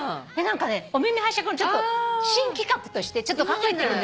「お耳拝借」の新企画としてちょっと考えてるんで。